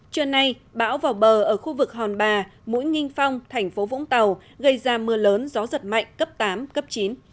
trưa nay bão vào bờ ở khu vực hòn bà mũi nghinh phong thành phố vũng tàu gây ra mưa lớn gió giật mạnh cấp tám cấp chín